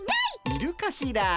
いるかしら？